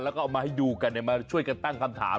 แล้วก็เอามาให้ดูกันมาช่วยกันตั้งคำถาม